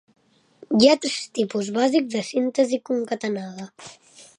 Hi ha tres tipus bàsics de síntesi concatenada.